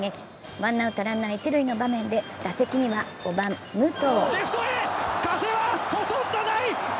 ワンアウトランナー一塁の場面で打席には５番・武藤。